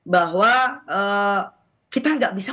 bahwa kita nggak bisa